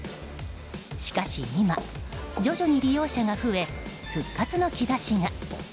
しかし今、徐々に利用者が増え復活の兆しが。